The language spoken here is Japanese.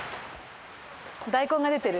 大根が出てる。